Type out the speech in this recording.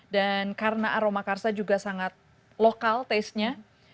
dan karena aromakarsa juga sangat lokal taste nya